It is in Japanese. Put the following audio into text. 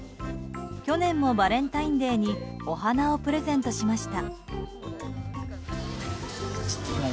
去年もバレンタインデーにお花をプレゼントしました。